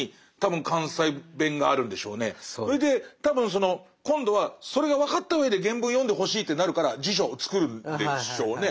それで多分今度はそれが分かったうえで原文を読んでほしいってなるから辞書を作るんでしょうね。